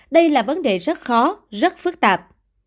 đây là vấn đề rất khó rất phức tạp